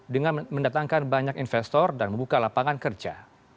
dengan mendatangkan banyak investor dan membuka lapangan kerja